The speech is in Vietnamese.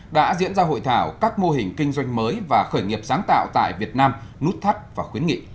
đã diễn ra hội thảo các mô hình kinh doanh mới và khởi nghiệp sáng tạo tại việt nam nút thắt và khuyến nghị